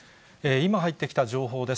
今入ってきた情報です。